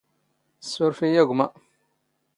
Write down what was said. ⵙⵙⵓⵔⴼ ⵉⵢⵉ ⴰ ⴳⵯⵎⴰ!